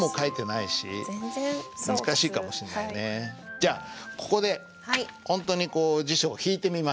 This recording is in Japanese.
じゃあここでほんとに辞書を引いてみましょう。